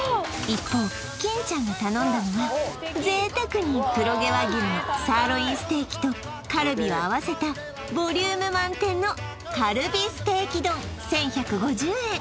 一方金ちゃんが頼んだのは贅沢に黒毛和牛のサーロインステーキとカルビを合わせたボリューム満点のカルビステーキ丼１１５０円